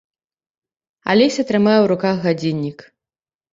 Алеся трымае ў руках гадзіннік.